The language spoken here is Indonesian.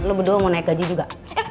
lo berdua mau naik gaji juga